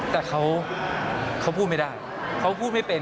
แต่เขาพูดไม่ได้เขาพูดไม่เป็น